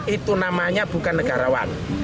itu namanya bukan negarawan